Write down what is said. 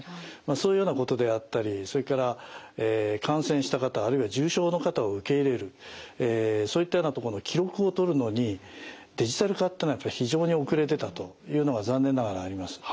そういうようなことであったりそれから感染した方あるいは重症の方を受け入れるそういったようなとこの記録を取るのにデジタル化ってのはやっぱり非常に遅れてたというのが残念ながらあります。